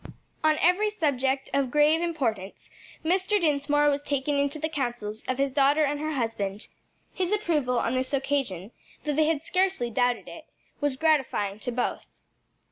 On every subject of grave importance Mr. Dinsmore was taken into the counsels of his daughter and her husband. His approval on this occasion, though they had scarcely doubted it, was gratifying to both.